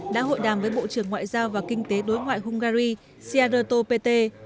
đã hội đàm với bộ trưởng ngoại giao và kinh tế đối ngoại hungary searoto péter